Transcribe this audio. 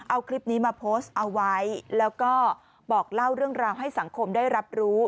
เอาคลิปนี้มาโพสต์เอาไว้แล้วก็บอกเล่าเรื่องราวให้สังคมได้รับรู้